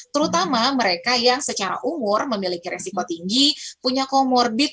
terutama mereka yang secara umur memiliki resiko tinggi punya comorbid